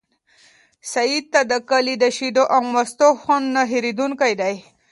سعید ته د کلي د شیدو او مستو خوند نه هېرېدونکی دی.